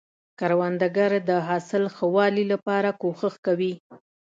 کروندګر د حاصل ښه والي لپاره کوښښ کوي